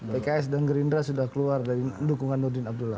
pks dan gerindra sudah keluar dari dukungan nurdin abdullah